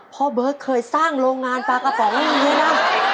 พ่อเบิร์ดเคยสร้างโรงงานปลากระป๋องอยู่ด้วยนะ